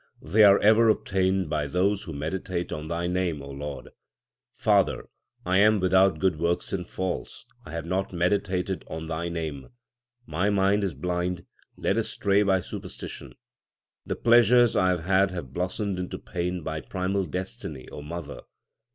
They are ever obtained by those who meditate on Thy name, Lord. Father, I am without good works and false ; I have not meditated on Thy name. My mind is blind, led astray by superstition. The pleasures I have had have blossomed into pain by primal destiny, O mother.